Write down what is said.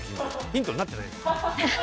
ヒントになってないんだよ。